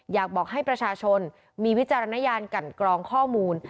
อยากบอกให้ประชาชนมีวิจารณญาณกันกรองข้อมูล